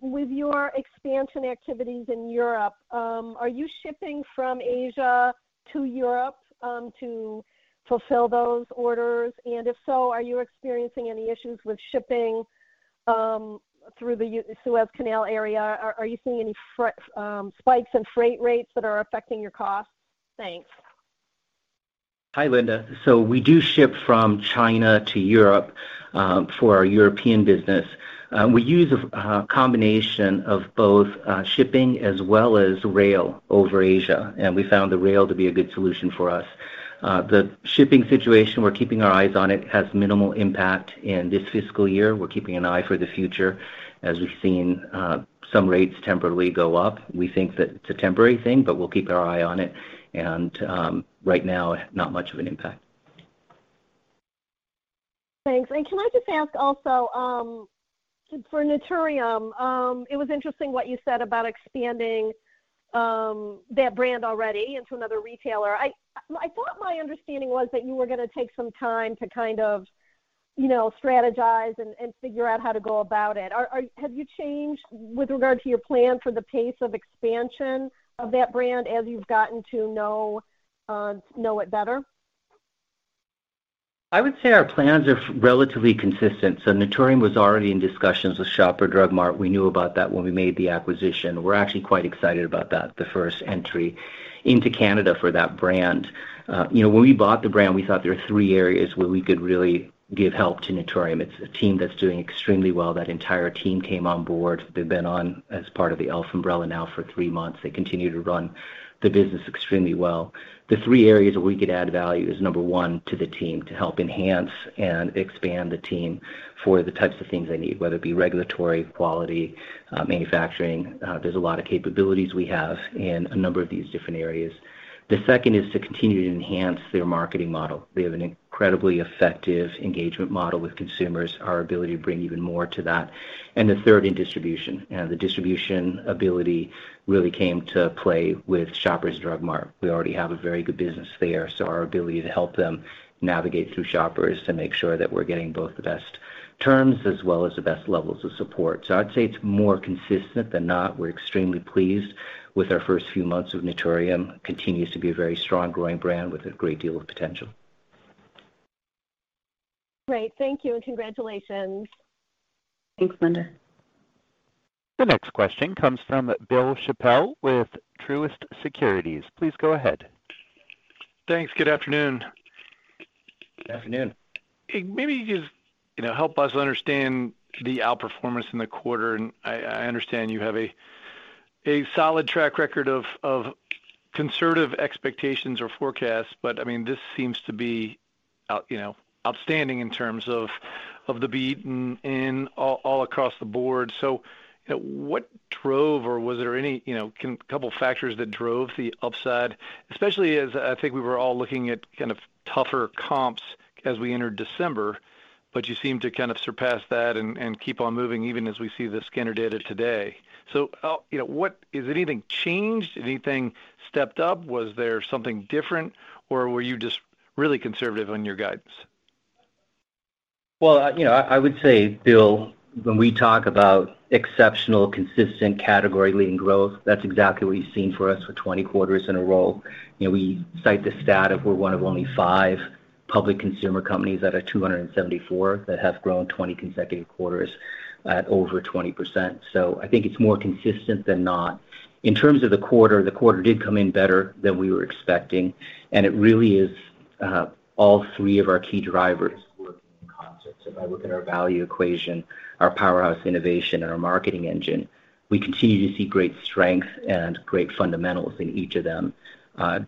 with your expansion activities in Europe, are you shipping from Asia to Europe to fulfill those orders? And if so, are you experiencing any issues with shipping through the Suez Canal area? Are you seeing any spikes in freight rates that are affecting your costs? Thanks.
Hi, Linda. So we do ship from China to Europe, for our European business. We use a combination of both, shipping as well as rail over Asia, and we found the rail to be a good solution for us. The shipping situation, we're keeping our eyes on it, has minimal impact in this fiscal year. We're keeping an eye for the future, as we've seen, some rates temporarily go up. We think that it's a temporary thing, but we'll keep our eye on it, and, right now, not much of an impact.
Thanks. And can I just ask also, for Naturium, it was interesting what you said about expanding, that brand already into another retailer. I thought my understanding was that you were gonna take some time to kind of, you know, strategize and figure out how to go about it. Have you changed with regard to your plan for the pace of expansion of that brand as you've gotten to know it better?
I would say our plans are relatively consistent. So Naturium was already in discussions with Shoppers Drug Mart. We knew about that when we made the acquisition. We're actually quite excited about that, the first entry into Canada for that brand. You know, when we bought the brand, we thought there were three areas where we could really give help to Naturium. It's a team that's doing extremely well. That entire team came on board. They've been on as part of the e.l.f. umbrella now for three months. They continue to run the business extremely well. The three areas where we could add value is, number one, to the team, to help enhance and expand the team for the types of things they need, whether it be regulatory, quality, manufacturing. There's a lot of capabilities we have in a number of these different areas. The second is to continue to enhance their marketing model. We have an incredibly effective engagement model with consumers, our ability to bring even more to that. And the third, in distribution. You know, the distribution ability really came to play with Shoppers Drug Mart. We already have a very good business there, so our ability to help them navigate through Shoppers to make sure that we're getting both the best terms as well as the best levels of support. So I'd say it's more consistent than not. We're extremely pleased with our first few months of Naturium. Continues to be a very strong, growing brand with a great deal of potential.
Great. Thank you, and congratulations.
Thanks, Linda.
The next question comes from Bill Chappell with Truist Securities. Please go ahead.
Thanks. Good afternoon.
Good afternoon.
Maybe just, you know, help us understand the outperformance in the quarter. I understand you have a solid track record of conservative expectations or forecasts, but, I mean, this seems to be, you know, outstanding in terms of the beat and all across the board. So, what drove or was there any, you know, couple factors that drove the upside? Especially as I think we were all looking at kind of tougher comps as we entered December, but you seem to kind of surpass that and keep on moving, even as we see the scanner data today. So, you know, what has anything changed? Anything stepped up? Was there something different, or were you just really conservative on your guidance?
Well, you know, I would say, Bill, when we talk about exceptional, consistent, category-leading growth, that's exactly what you've seen for us for 20 quarters in a row. You know, we cite the stat of we're one of only five public consumer companies out of 274 that have grown 20 consecutive quarters at over 20%. So I think it's more consistent than not. In terms of the quarter, the quarter did come in better than we were expecting, and it really is all three of our key drivers work in concert. So if I look at our value equation, our powerhouse innovation, and our marketing engine, we continue to see great strength and great fundamentals in each of them.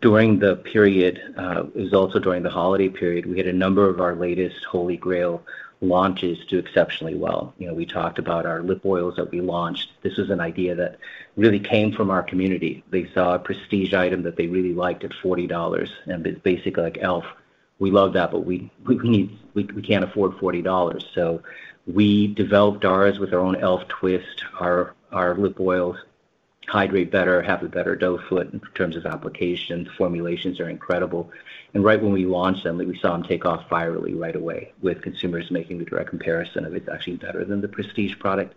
During the period, it was also during the holiday period, we had a number of our latest holy grail launches do exceptionally well. You know, we talked about our lip oils that we launched. This is an idea that really came from our community. They saw a prestige item that they really liked at $40, and they basically like, e.l.f., we love that, but we need—we can't afford $40. So we developed ours with our own e.l.f. twist. Our lip oils hydrate better, have a better doe-foot in terms of application, the formulations are incredible. And right when we launched them, we saw them take off virally right away, with consumers making the direct comparison of it's actually better than the prestige product.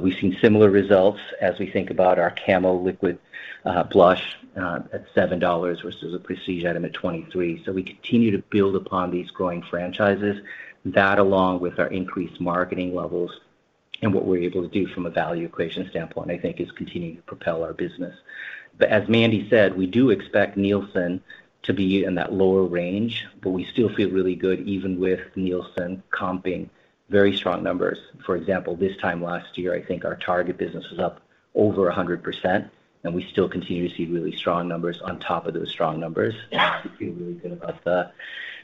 We've seen similar results as we think about our Camo Liquid Blush at $7 versus a prestige item at $23. So we continue to build upon these growing franchises. That, along with our increased marketing levels and what we're able to do from a value equation standpoint, I think, is continuing to propel our business. But as Mandy said, we do expect Nielsen to be in that lower range, but we still feel really good, even with Nielsen comping very strong numbers. For example, this time last year, I think our Target business was up over 100%, and we still continue to see really strong numbers on top of those strong numbers. We feel really good about the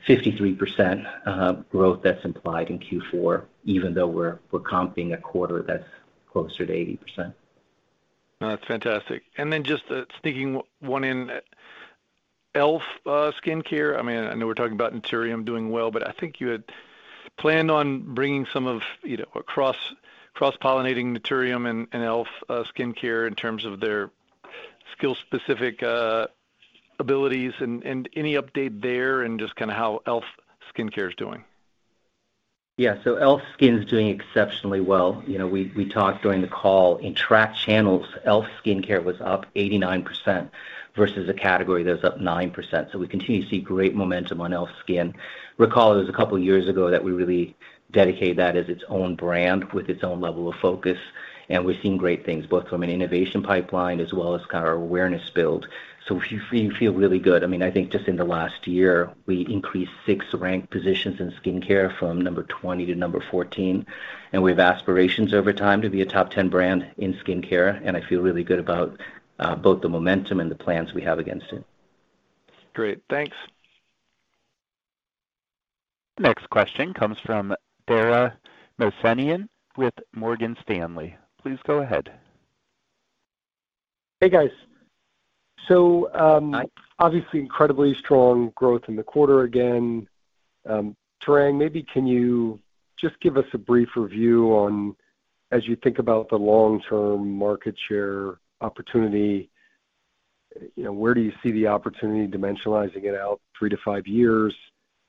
53% growth that's implied in Q4, even though we're comping a quarter that's closer to 80%.
That's fantastic. Then just sneaking one in, e.l.f. skincare. I mean, I know we're talking about Naturium doing well, but I think you had planned on bringing some of... You know, across, cross-pollinating Naturium and e.l.f. skincare in terms of their skill-specific abilities. And any update there and just kind of how e.l.f. skincare is doing?
Yeah, so e.l.f. SKIN is doing exceptionally well. You know, we talked during the call, in tracked channels, e.l.f. skincare was up 89% versus a category that was up 9%. So we continue to see great momentum on e.l.f. SKIN. Recall, it was a couple of years ago that we really dedicated that as its own brand with its own level of focus, and we've seen great things, both from an innovation pipeline as well as kind of our awareness build. So we feel really good. I mean, I think just in the last year, we increased six rank positions in skincare from number 20 to number 14, and we have aspirations over time to be a top 10 brand in skincare, and I feel really good about both the momentum and the plans we have against it.
Great. Thanks.
Next question comes from Dara Mohsenian with Morgan Stanley. Please go ahead.
Hey, guys. So,
Hi.
Obviously, incredibly strong growth in the quarter again. Tarang, maybe can you just give us a brief review on, as you think about the long-term market share opportunity, you know, where do you see the opportunity, dimensionalizing it out three-five years?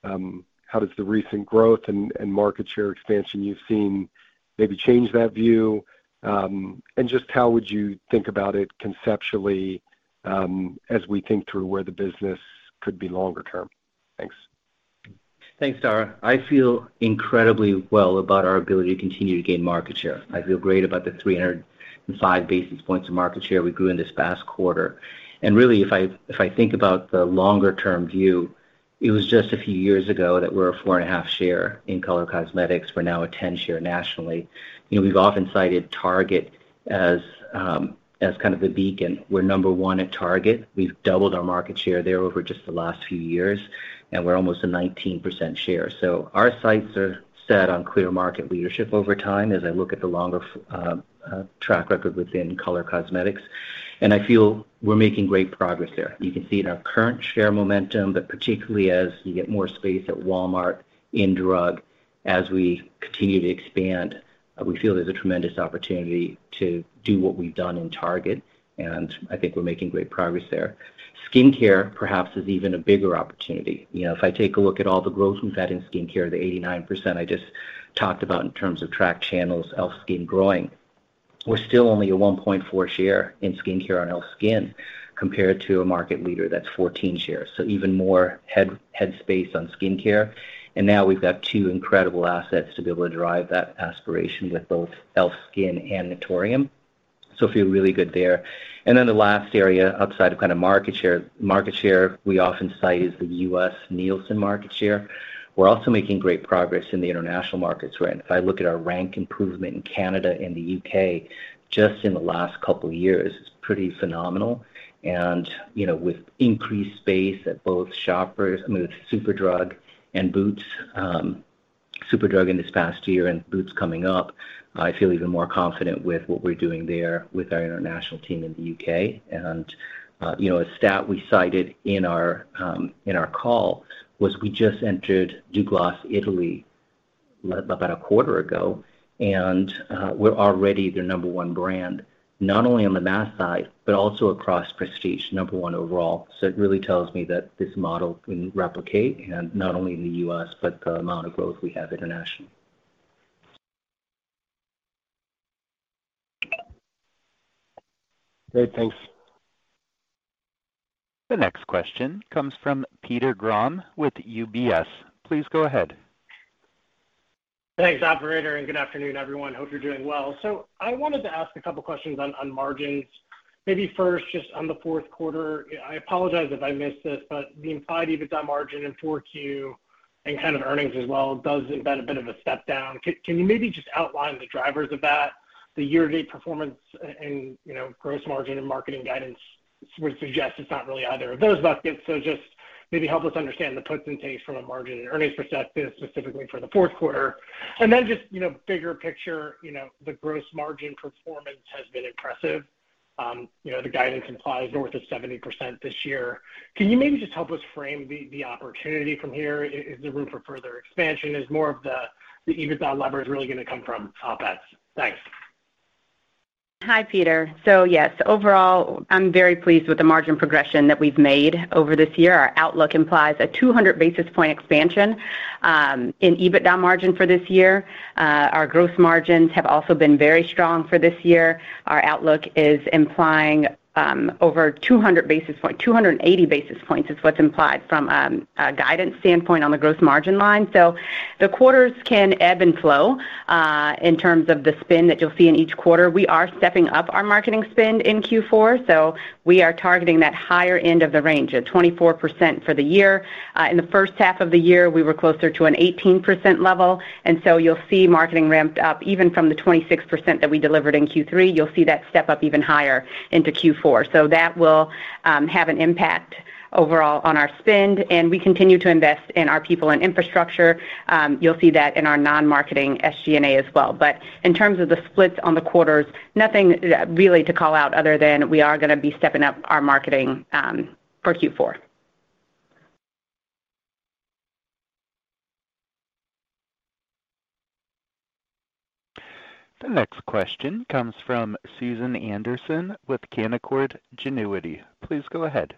How does the recent growth and market share expansion you've seen maybe change that view? And just how would you think about it conceptually, as we think through where the business could be longer term? Thanks.
Thanks, Dara. I feel incredibly well about our ability to continue to gain market share. I feel great about the 305 basis points of market share we grew in this past quarter. And really, if I think about the longer term view, it was just a few years ago that we're a 4.5 share in color cosmetics. We're now a 10 share nationally. You know, we've often cited Target as kind of the beacon. We're number one at Target. We've doubled our market share there over just the last few years, and we're almost a 19% share. So our sights are set on clear market leadership over time as I look at the longer track record within color cosmetics, and I feel we're making great progress there. You can see it in our current share momentum, but particularly as we get more space at Walmart in drug, as we continue to expand, we feel there's a tremendous opportunity to do what we've done in Target, and I think we're making great progress there. Skincare, perhaps, is even a bigger opportunity. You know, if I take a look at all the growth we've had in skincare, the 89% I just talked about in terms of tracked channels, e.l.f. SKIN growing, we're still only a 1.4 share in skincare on e.l.f. SKIN, compared to a market leader that's 14 shares. So even more head space on skincare. And now we've got two incredible assets to be able to drive that aspiration with both e.l.f. SKIN and Naturium. So I feel really good there. And then the last area outside of kind of market share, market share, we often cite is the U.S. Nielsen market share. We're also making great progress in the international markets, where if I look at our rank improvement in Canada and the U.K., just in the last couple of years, it's pretty phenomenal. And, you know, with increased space at both Shoppers, I mean, with Superdrug and Boots, Superdrug in this past year and Boots coming up, I feel even more confident with what we're doing there with our international team in the U.K. And, you know, a stat we cited in our, in our call was we just entered Douglas Italy about a quarter ago, and, we're already their number one brand, not only on the mass side, but also across prestige, number one overall. It really tells me that this model can replicate, and not only in the U.S., but the amount of growth we have internationally.
Great. Thanks.
The next question comes from Peter Grom with UBS. Please go ahead.
Thanks, operator, and good afternoon, everyone. Hope you're doing well. So I wanted to ask a couple questions on margins. Maybe first, just on the fourth quarter, I apologize if I missed this, but the implied EBITDA margin in 4Q and kind of earnings as well does embed a bit of a step down. Can you maybe just outline the drivers of that, the year-to-date performance and, you know, gross margin and marketing guidance would suggest it's not really either of those buckets. So just maybe help us understand the puts and takes from a margin and earnings perspective, specifically for the fourth quarter. And then just, you know, bigger picture, you know, the gross margin performance has been impressive. You know, the guidance implies north of 70% this year. Can you maybe just help us frame the opportunity from here? Is there room for further expansion? Is more of the EBITDA leverage really gonna come from OpEx? Thanks.
Hi, Peter. So yes, overall, I'm very pleased with the margin progression that we've made over this year. Our outlook implies a 200 basis point expansion in EBITDA margin for this year. Our gross margins have also been very strong for this year. Our outlook is implying over 200 basis points. 280 basis points is what's implied from a guidance standpoint on the gross margin line. So the quarters can ebb and flow in terms of the spend that you'll see in each quarter. We are stepping up our marketing spend in Q4, so we are targeting that higher end of the range at 24% for the year. In the first half of the year, we were closer to an 18% level, and so you'll see marketing ramped up, even from the 26% that we delivered in Q3, you'll see that step up even higher into Q4. So that will have an impact overall on our spend, and we continue to invest in our people and infrastructure. You'll see that in our non-marketing SG&A as well. But in terms of the splits on the quarters, nothing really to call out other than we are gonna be stepping up our marketing for Q4.
The next question comes from Susan Anderson with Canaccord Genuity. Please go ahead.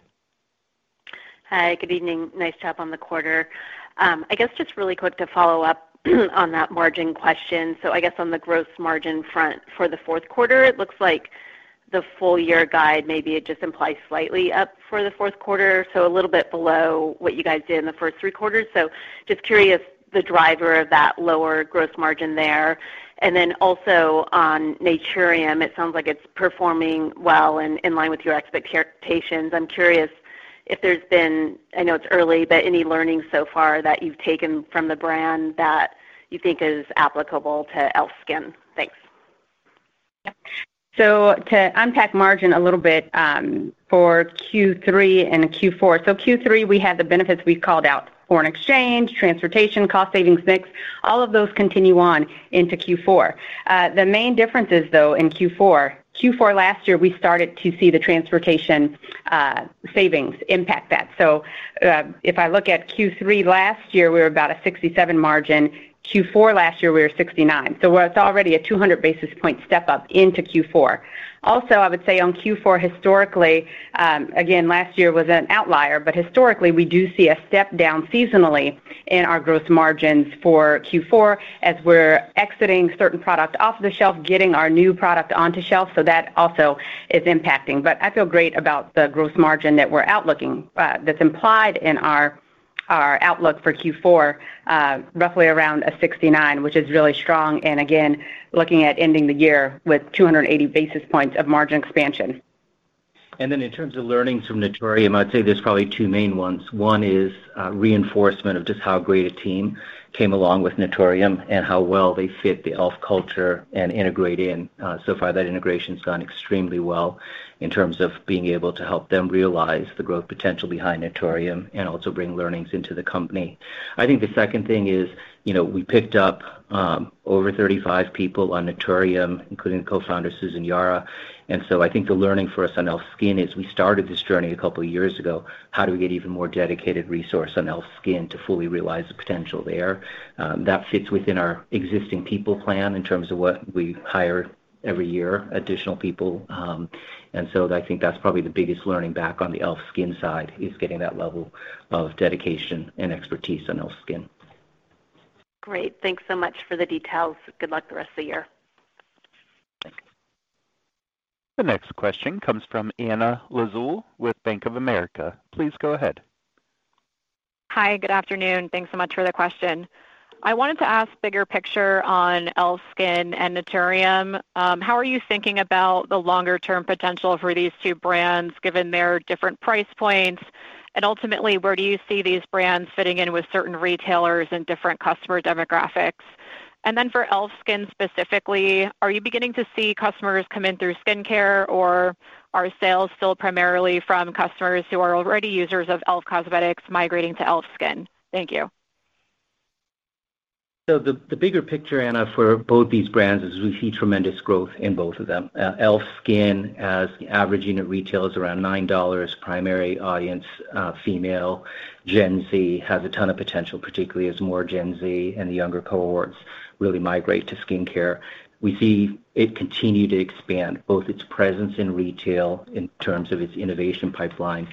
Hi, good evening. Nice job on the quarter. I guess just really quick to follow up on that margin question. So I guess on the growth margin front for the fourth quarter, it looks like the full year guide, maybe it just implies slightly up for the fourth quarter, so a little bit below what you guys did in the first three quarters. So just curious, the driver of that lower growth margin there. And then also on Naturium, it sounds like it's performing well and in line with your expectations. I'm curious if there's been, I know it's early, but any learnings so far that you've taken from the brand that you think is applicable to e.l.f. SKIN? Thanks.
So to unpack margin a little bit, for Q3 and Q4. So Q3, we had the benefits we've called out, foreign exchange, transportation, cost savings, mix, all of those continue on into Q4. The main differences, though, in Q4, Q4 last year, we started to see the transportation, savings impact that. So, if I look at Q3 last year, we were about a 67% margin. Q4 last year, we were 69%. So it's already a 200 basis point step up into Q4. Also, I would say on Q4, historically, again, last year was an outlier, but historically, we do see a step down seasonally in our gross margins for Q4 as we're exiting certain product off the shelf, getting our new product onto shelf, so that also is impacting. But I feel great about the growth margin that we're outlooking, that's implied in our, our outlook for Q4, roughly around 69, which is really strong, and again, looking at ending the year with 280 basis points of margin expansion.
In terms of learnings from Naturium, I'd say there's probably two main ones. One is reinforcement of just how great a team came along with Naturium and how well they fit the e.l.f. culture and integrate in. So far, that integration has gone extremely well in terms of being able to help them realize the growth potential behind Naturium and also bring learnings into the company. I think the second thing is, you know, we picked up over 35 people on Naturium, including co-founder, Susan Yara. And so I think the learning for us on e.l.f. SKIN is we started this journey a couple of years ago: How do we get even more dedicated resource on e.l.f. SKIN to fully realize the potential there? That fits within our existing people plan in terms of what we hire every year, additional people, and so I think that's probably the biggest learning back on the e.l.f. SKIN side is getting that level of dedication and expertise on e.l.f. SKIN.
Great. Thanks so much for the details. Good luck the rest of the year.
The next question comes from Anna Lizzul with Bank of America. Please go ahead.
Hi, good afternoon. Thanks so much for the question. I wanted to ask bigger picture on e.l.f. SKIN and Naturium. How are you thinking about the longer-term potential for these two brands, given their different price points? And ultimately, where do you see these brands fitting in with certain retailers and different customer demographics? And then for e.l.f. SKIN specifically, are you beginning to see customers come in through skincare, or are sales still primarily from customers who are already users of e.l.f. Cosmetics migrating to e.l.f. SKIN? Thank you.
So the bigger picture, Anna, for both these brands is we see tremendous growth in both of them. e.l.f. SKIN as the average unit retail is around $9, primary audience, female Gen Z has a ton of potential, particularly as more Gen Z and the younger cohorts really migrate to skincare. We see it continue to expand both its presence in retail in terms of its innovation pipeline.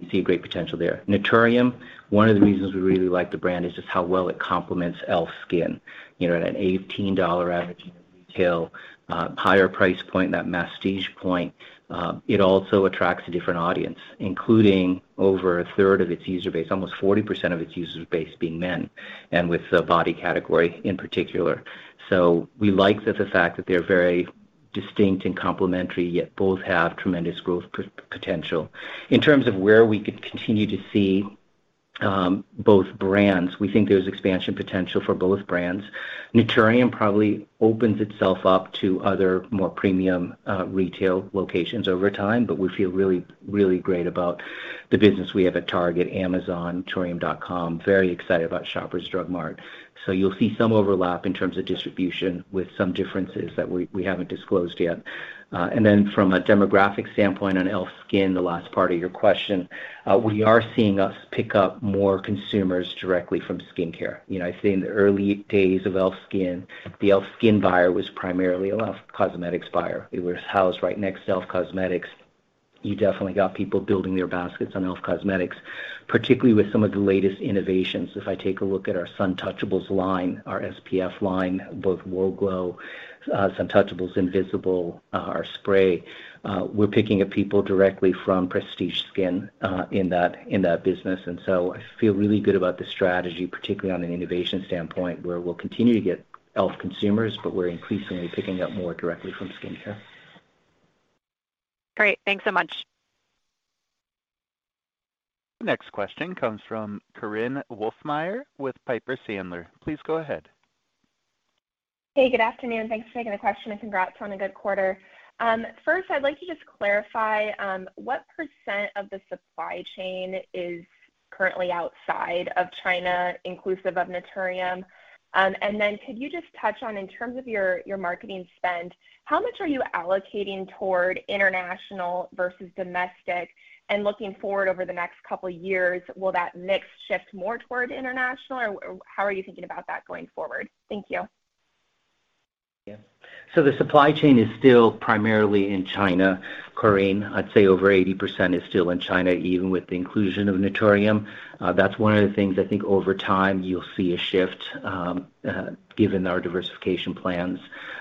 We see a great potential there. Naturium, one of the reasons we really like the brand is just how well it complements e.l.f. SKIN. You know, at an $18 average retail, higher price point, that prestige point, it also attracts a different audience, including over a third of its user base, almost 40% of its user base being men, and with the body category in particular. So we like that the fact that they're very distinct and complementary, yet both have tremendous growth potential. In terms of where we could continue to see both brands, we think there's expansion potential for both brands. Naturium probably opens itself up to other more premium retail locations over time, but we feel really, really great about the business we have at Target, Amazon, Naturium.com. Very excited about Shoppers Drug Mart. So you'll see some overlap in terms of distribution, with some differences that we haven't disclosed yet. From a demographic standpoint on e.l.f. SKIN, the last part of your question, we are seeing us pick up more consumers directly from skincare. You know, I'd say in the early days of e.l.f. SKIN, the e.l.f. SKIN buyer was primarily a e.l.f. Cosmetics buyer. It was housed right next to e.l.f. Cosmetics. You definitely got people building their baskets on e.l.f. Cosmetics, particularly with some of the latest innovations. If I take a look at our Suntouchable line, our SPF line, both Halo Glow, Suntouchable Invisible, our spray, we're picking up people directly from Prestige Skin, in that business. And so I feel really good about the strategy, particularly on an innovation standpoint, where we'll continue to get e.l.f. consumers, but we're increasingly picking up more directly from skincare.
Great. Thanks so much.
Next question comes from Korinne Wolfmeyer with Piper Sandler. Please go ahead.
Hey, good afternoon. Thanks for taking the question, and congrats on a good quarter. First, I'd like to just clarify, what percent of the supply chain is currently outside of China, inclusive of Naturium? And then could you just touch on, in terms of your, your marketing spend, how much are you allocating toward international versus domestic? And looking forward over the next couple of years, will that mix shift more toward international, or how are you thinking about that going forward? Thank you.
Yeah. So the supply chain is still primarily in China, Korinne. I'd say over 80% is still in China, even with the inclusion of Naturium. That's one of the things I think over time you'll see a shift, given our diversification plans.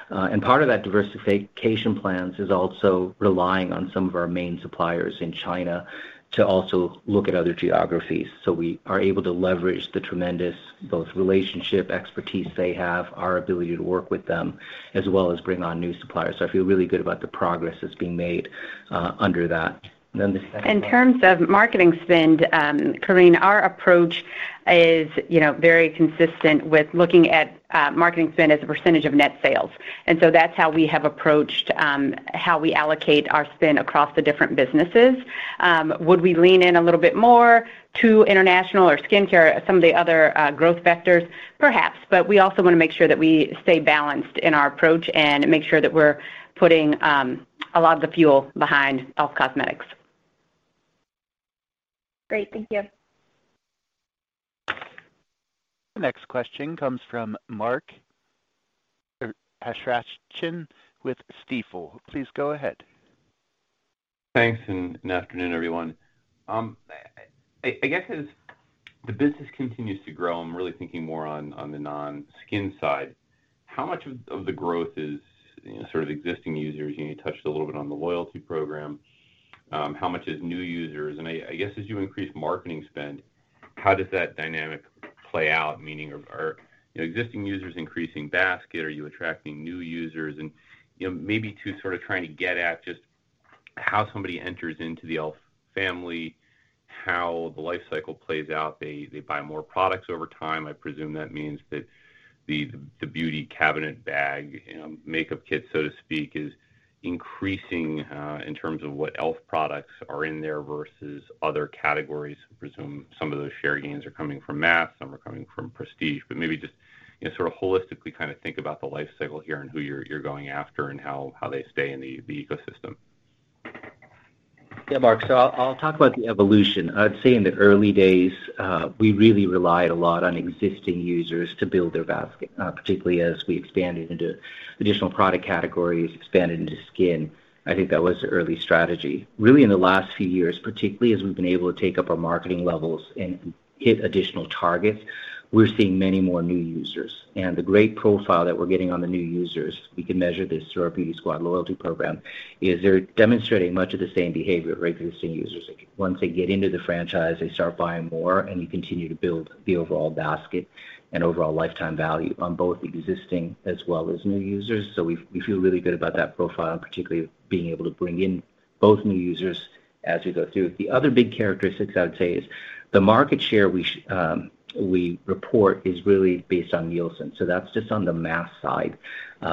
And part of that diversification plans is also relying on some of our main suppliers in China to also look at other geographies. So we are able to leverage the tremendous, both relationship, expertise they have, our ability to work with them, as well as bring on new suppliers. So I feel really good about the progress that's being made, under that. Then the second-
In terms of marketing spend, Korinne, our approach is, you know, very consistent with looking at marketing spend as a percentage of net sales. And so that's how we have approached how we allocate our spend across the different businesses. Would we lean in a little bit more to international or skincare, some of the other growth vectors? Perhaps, but we also want to make sure that we stay balanced in our approach and make sure that we're putting a lot of the fuel behind e.l.f. Cosmetics.
Great. Thank you.
The next question comes from Mark Astrachan with Stifel. Please go ahead.
Thanks, and good afternoon, everyone. I guess as the business continues to grow, I'm really thinking more on the non-skin side, how much of the growth is, you know, sort of existing users? You touched a little bit on the loyalty program. How much is new users? And I guess, as you increase marketing spend, how does that dynamic play out? Meaning, are existing users increasing basket? Are you attracting new users? And, you know, maybe to sort of trying to get at just how somebody enters into the e.l.f. family, how the life cycle plays out. They buy more products over time. I presume that means that the beauty cabinet bag, makeup kit, so to speak, is increasing in terms of what e.l.f. products are in there versus other categories. I presume some of those share gains are coming from mass, some are coming from prestige, but maybe just, you know, sort of holistically kind of think about the life cycle here and who you're going after and how they stay in the ecosystem.
Yeah, Mark. So I'll, I'll talk about the evolution. I'd say in the early days, we really relied a lot on existing users to build their basket, particularly as we expanded into additional product categories, expanded into skin. I think that was the early strategy. Really, in the last few years, particularly as we've been able to take up our marketing levels and hit additional targets, we're seeing many more new users. And the great profile that we're getting on the new users, we can measure this through our Beauty Squad loyalty program, is they're demonstrating much of the same behavior, right, to existing users. Once they get into the franchise, they start buying more, and you continue to build the overall basket and overall lifetime value on both existing as well as new users. So we feel really good about that profile, and particularly being able to bring in both new users as we go through. The other big characteristics, I would say, is the market share we report is really based on Nielsen, so that's just on the math side,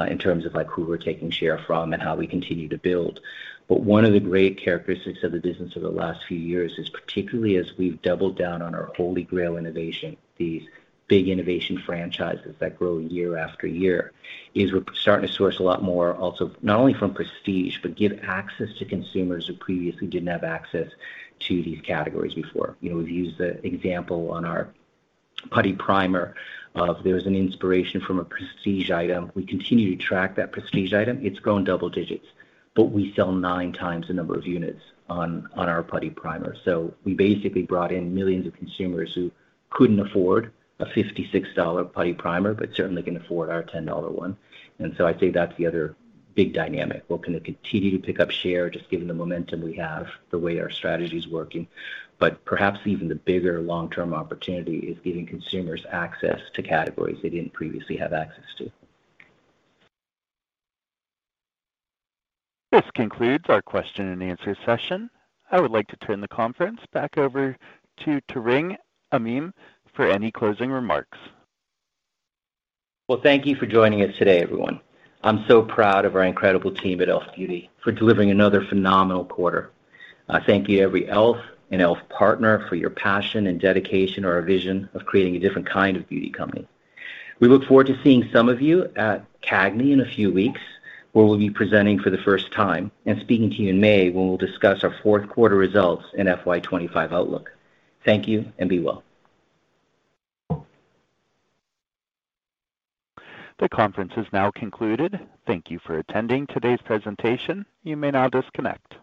in terms of, like, who we're taking share from and how we continue to build. But one of the great characteristics of the business over the last few years is, particularly as we've doubled down on our holy grail innovation, these big innovation franchises that grow year after year, is we're starting to source a lot more also, not only from prestige, but give access to consumers who previously didn't have access to these categories before. You know, we've used the example on our Putty Primer, there was an inspiration from a prestige item. We continue to track that prestige item. It's grown double digits, but we sell 9x the number of units on our Putty Primer. So we basically brought in millions of consumers who couldn't afford a $56 Putty Primer, but certainly can afford our $10 one. And so I'd say that's the other big dynamic. We're gonna continue to pick up share, just given the momentum we have, the way our strategy is working, but perhaps even the bigger long-term opportunity is giving consumers access to categories they didn't previously have access to.
This concludes our question and answer session. I would like to turn the conference back over to Tarang Amin for any closing remarks.
Well, thank you for joining us today, everyone. I'm so proud of our incredible team at e.l.f. Beauty for delivering another phenomenal quarter. I thank you, every e.l.f. and e.l.f. partner, for your passion and dedication to our vision of creating a different kind of beauty company. We look forward to seeing some of you at CAGNY in a few weeks, where we'll be presenting for the first time and speaking to you in May, when we'll discuss our fourth quarter results and FY 2025 outlook. Thank you, and be well.
The conference is now concluded. Thank you for attending today's presentation. You may now disconnect.